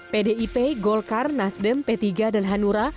pdip golkar nasdem p tiga dan hanura